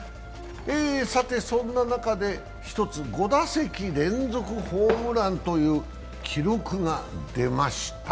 そんな中で一つ、５打席連続ホームランという記録が出ました。